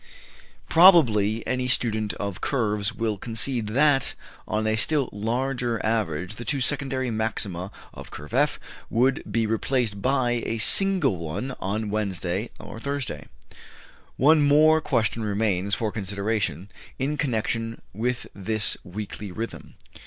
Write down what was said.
Probably, any student of curves will concede that, on a still larger average, the two secondary maxima of Curve F would be replaced by a single one on Wednesday or Thursday. One more question remains for consideration in connection with this weekly rhythm.